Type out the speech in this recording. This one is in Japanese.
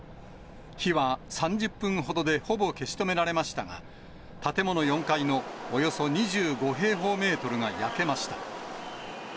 火は３０分ほどでほぼ消し止められましたが、建物４階のおよそ２５平方メートルが焼けました。